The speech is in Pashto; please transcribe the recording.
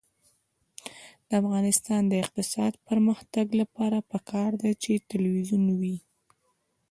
د افغانستان د اقتصادي پرمختګ لپاره پکار ده چې تلویزیون وي.